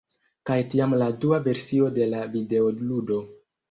kaj tiam la dua versio de la videoludo